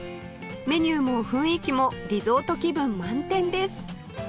メニューも雰囲気もリゾート気分満点です